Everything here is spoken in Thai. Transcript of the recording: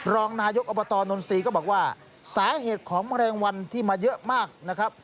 รองนายกอบตนนทรีย์ก็บอกว่าสาเหตุของแมลงวันที่มาเยอะมากนะครับ